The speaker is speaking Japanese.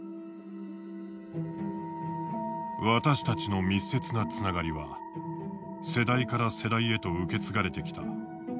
「私たちの密接なつながりは世代から世代へと受け継がれてきた。